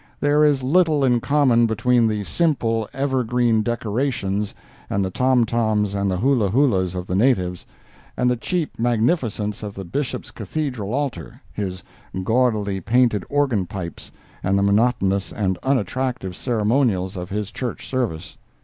There is little in common between the simple evergreen decorations and the tom toms and the hulahulas of the natives, and the cheap magnificence of the Bishop's cathedral altar, his gaudily painted organ pipes and the monotonous and unattractive ceremonials of his church service.